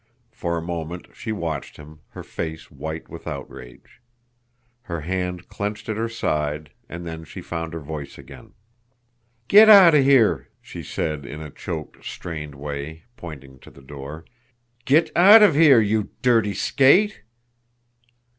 For a moment she watched him, her face white with outrage, her hand clenched at her side and then she found her voice again. "Get out of here!" she said, in a choked, strained way pointing to the door. "Get out of here you dirty skate!"